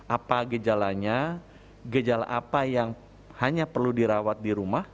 apa gejalanya gejala apa yang hanya perlu dirawat di rumah